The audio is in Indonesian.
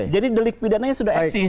jadi delik pidananya sudah eksis